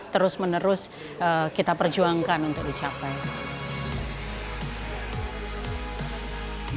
terus menerus kita perjuangkan untuk dicapai